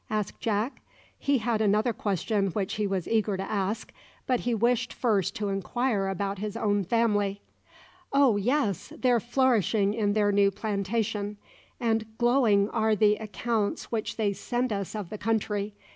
asked Jack. He had another question which he was eager to ask, but he wished first to inquire about his own family. "Oh, yes! they're flourishing in their new plantation; and glowing are the accounts which they send us of the country.